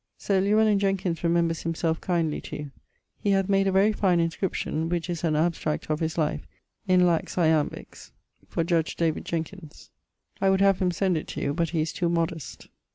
Sir Llewellin Jenkins remembers himself kindly to you. He hath made a very fine inscription (which is an abstract of his life) in laxe Iambiques for judge David Jenkins. I would have him send it to you, but he is too modest.